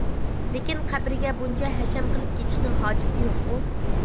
لېكىن قەبرىگە بۇنچە ھەشەم قىلىپ كېتىشنىڭ ھاجىتى يوققۇ.